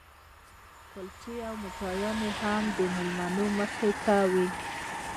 کلچې او میټایانې هم د مېلمنو مخې ته وې.